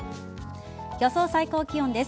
予想最高気温です。